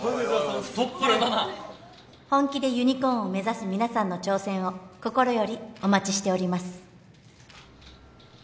太っ腹だな本気でユニコーンを目指す皆さんの挑戦を心よりお待ちしております